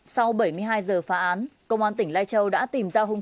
sau bảy mươi hai giờ phá án công an tỉnh lai châu đã tìm ra một người chết